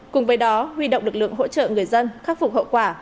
cùng với đó huy động lực lượng hỗ trợ người dân khắc phục hậu quả